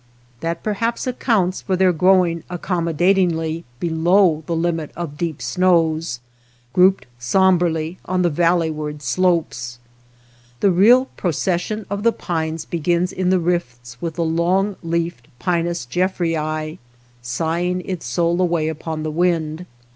That perhaps accounts for their growing accommodatingly below the limit of deep snows, grouped sombrely on the valley ward slopes. The real procession of the pines begins in the rifts with the long leafed Pinus Jeffreyi, sighing its soul away upon the wind.